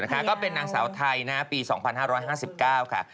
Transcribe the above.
ก็เป็นนางสาวไทยปี๒๕๕๙ค่ะ